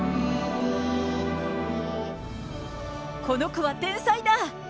この子は天才だ！